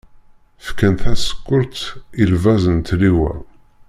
Fkan tasekkurt, i lbaz n tliwa.